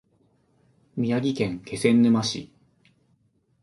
宮城県気仙沼市